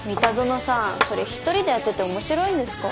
それ一人でやってて面白いんですか？